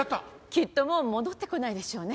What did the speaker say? きっともう戻ってこないでしょうね。